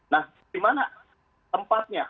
nah di mana tempatnya